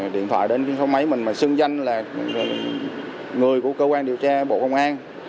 điện thoại đến số máy mình mà xưng danh là người của cơ quan điều tra bộ công an